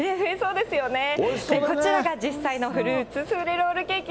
こちらが実際のフルーツスフレロールケーキ。